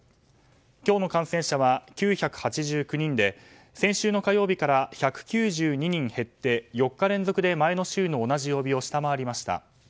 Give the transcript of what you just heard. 今日の感染者は９８９人で先週の火曜日から１９２人減って４日連続で前の週の同じ曜日を下回りました。